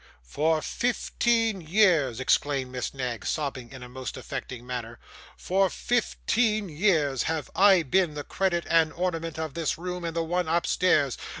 'For fifteen years,' exclaimed Miss Knag, sobbing in a most affecting manner, 'for fifteen years have I been the credit and ornament of this room and the one upstairs.